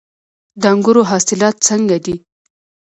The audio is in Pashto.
د انګورو حاصلات څنګه دي؟